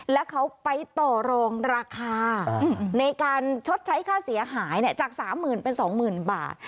แล้วเขาไปต่อรองราคาในการชดใช้ค่าเสียหายจาก๓๐๐๐เป็น๒๐๐๐บาท